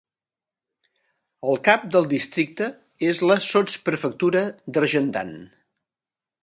El cap del districte és la sotsprefectura d'Argentan.